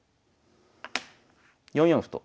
４四歩と。